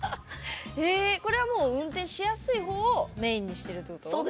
これはもう運転しやすい方をメインにしてるってこと？